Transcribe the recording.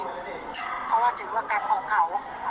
เพราะว่าถือว่าแกรปของเขา